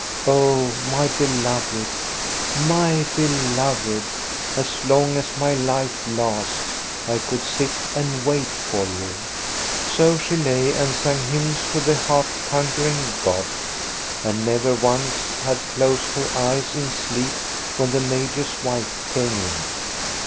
Oh, my beloved, my beloved ! As long as my life lasts, I could sit and wait for you." So she lay and sang hymns to the heart conquering god, and never once had closed her eyes in sleep when the major's wife came in.